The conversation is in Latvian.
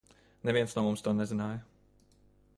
Neviens no mums to nezināja.